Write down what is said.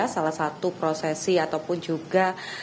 salah satu prosesi ataupun juga